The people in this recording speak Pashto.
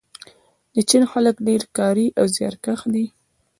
د چین خلک ډیر کاري او زیارکښ دي.